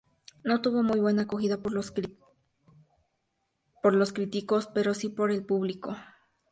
No tuvo muy buena acogida por los críticos pero sí por el público.